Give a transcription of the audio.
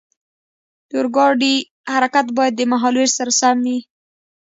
د اورګاډي حرکت باید د مهال ویش سره سم وي.